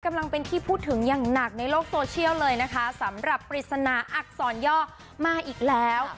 กำลังเป็นที่พูดถึงอย่างหนักในโลกโซเชียลเลยนะคะสำหรับปริศนาอักษรย่อมาอีกแล้ว